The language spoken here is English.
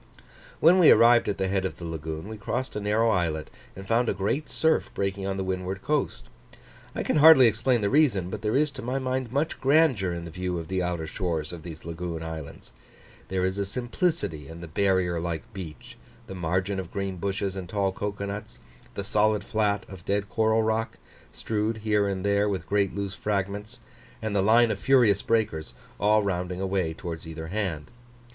When we arrived at the head of the lagoon, we crossed a narrow islet, and found a great surf breaking on the windward coast. I can hardly explain the reason, but there is to my mind much grandeur in the view of the outer shores of these lagoon islands. There is a simplicity in the barrier like beach, the margin of green bushes and tall cocoa nuts, the solid flat of dead coral rock, strewed here and there with great loose fragments, and the line of furious breakers, all rounding away towards either hand.